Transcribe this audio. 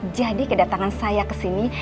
jadi kedatangan saya kesini